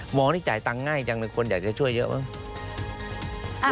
หมอนี่จ่ายตังค์ง่ายจังเลยคนอยากจะช่วยเยอะไหม